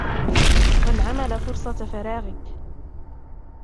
وَالْعَمَلَ فُرْصَةَ فَرَاغِك